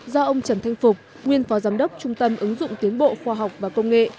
do ông trần thanh phục nguyên phó giám đốc trung tâm ứng dụng tiến bộ khoa học và công nghệ